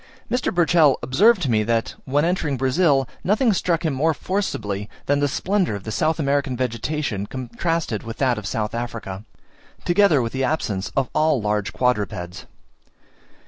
Mr. Burchell observed to me that when entering Brazil, nothing struck him more forcibly than the splendour of the South American vegetation contrasted with that of South Africa, together with the absence of all large quadrupeds.